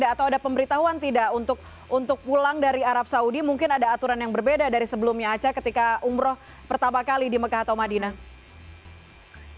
atau ada pemberitahuan tidak untuk pulang dari arab saudi mungkin ada aturan yang berbeda dari sebelumnya aca ketika umroh pertama kali di mekah atau madinah